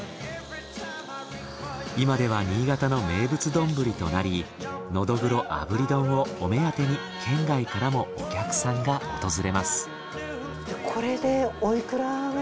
今では新潟の名物丼となりノドグロ炙り丼をお目当てに県外からもお客さんが訪れます。